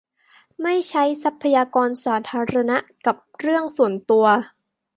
- ไม่ใช้ทรัพยากรสาธารณะกับเรื่องส่วนตัว